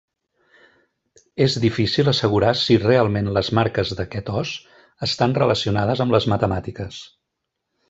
És difícil assegurar si realment les marques d'aquest os estan relacionades amb les matemàtiques.